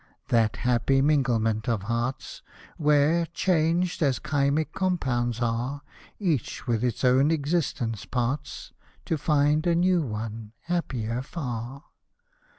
— That happy minglement of hearts, Where, changed as chymic compounds are, Each with its own existence parts. To find a new one, happier far